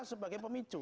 negara sebagai pemicu